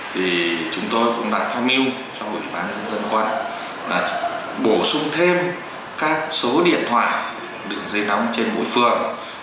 thì chúng tôi cũng đã theo mưu trong ủy ban dân dân quân là bổ sung thêm các số điện thoại đựng dây nóng trên mỗi phường